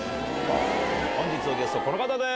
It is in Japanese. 本日のゲスト、この方です。